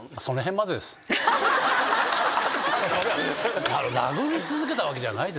それは殴り続けたわけじゃないですって。